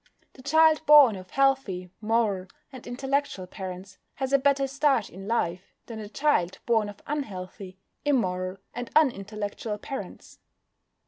The child born of healthy, moral, and intellectual parents has a better start in life than the child born of unhealthy, immoral, and unintellectual parents.